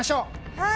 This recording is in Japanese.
はい。